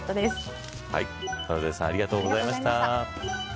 トラウデンさんありがとうございました。